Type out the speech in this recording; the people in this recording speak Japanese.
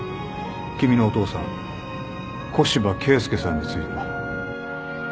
君のお父さん古芝恵介さんについてだ。